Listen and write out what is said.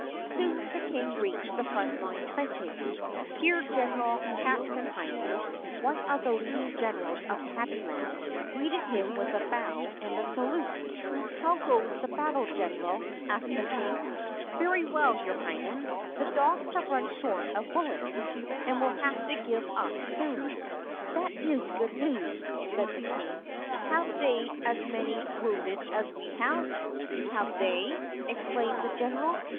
Soon the King reached the front line trenches. Here Gen eral Katzenheimer, one of the leading generals of Tabbyland, greeted him with a bow and a salute. "How goes the battle, general*?" asked the King. "Very well, your Highness. The dogs have run short of bullets and will have to give up soon." "That is good news," said the King. "Have they as many wounded as we have*?" "Have they*?" exclaimed the general.